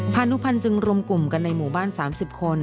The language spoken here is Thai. พานุพันธ์จึงรวมกลุ่มกันในหมู่บ้าน๓๐คน